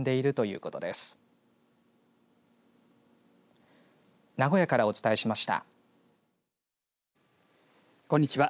こんにちは。